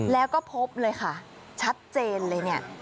แล้วก็พบเลยค่ะชัดเจนเลยเนี่ย